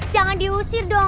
jangan diusir dong